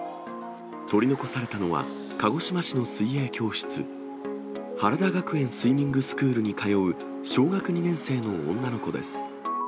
取り残されたのは、鹿児島市の水泳教室、原田学園スイミングスクールに通う、小学２年生の女の子です。